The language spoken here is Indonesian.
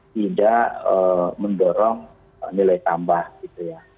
tidak mendorong nilai tambah gitu ya